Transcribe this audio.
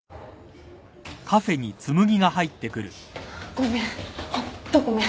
ごめんホントごめん。